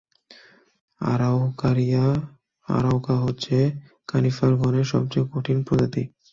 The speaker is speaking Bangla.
আরাউকারিয়া আরাউকা হচ্ছে কনিফার গণের সবচেয়ে কঠিন প্রজাতি।